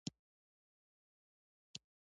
زړه مې وغوښتل مرسته ورسره وکړم.